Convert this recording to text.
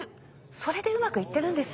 それでうまくいってるんです。